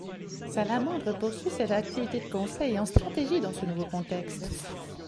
Salamandre poursuit ses activités de conseil en stratégie dans ce nouveau contexte.